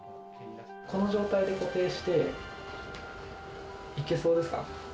この状態で固定して、いけそうですか？